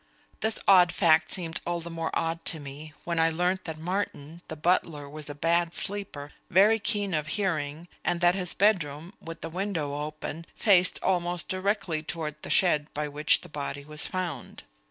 This odd fact seemed all the more odd to me when I learned that Martin, the butler, was a bad sleeper, very keen of hearing, and that his bedroom, with the window open, faced almost directly toward the shed by which the body was found.